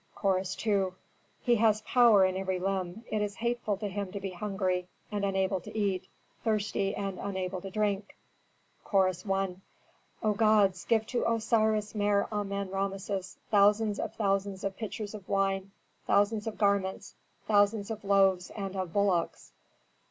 Chorus II. "He has power in every limb; it is hateful to him to be hungry and unable to eat, thirsty and unable to drink." Chorus I. "O gods, give to Osiris Mer Amen Rameses thousands of thousands of pitchers of wine, thousands of garments, thousands of loaves and of bullocks!"